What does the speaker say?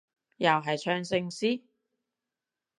又係唱聖詩？